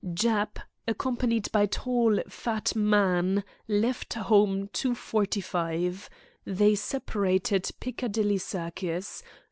"Jap, accompanied by tall, fat man, left home 2.45. They separated Piccadilly Circus.